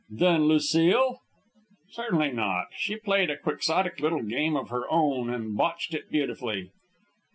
"Then Lucile ?" "Certainly not. She played a quixotic little game of her own and botched it beautifully."